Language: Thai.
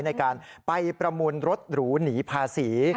ในการไปประมูลรถหรูหนีภาษี